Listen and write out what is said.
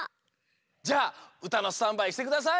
じゃあうたのスタンバイしてください。